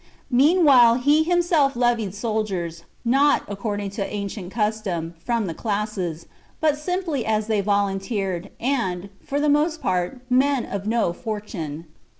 Meanwhile he himself levied soldiers, not, according to ancient custom, from the classes, but simply as they volunteered, and, for the most part, men of no fortune.